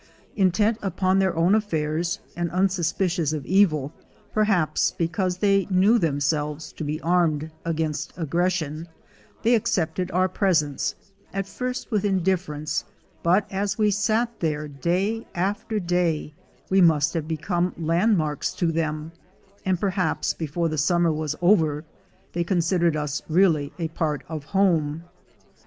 Intent upon their own affairs, and unsuspicious of evil, perhaps because they knew themselves to be armed against aggression, they accepted our presence, at first with indifference; but as we sat there day after day we must have become land marks to them, and perhaps before the summer was over they considered us really a part of home.